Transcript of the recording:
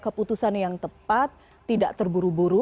keputusan yang tepat tidak terburu buru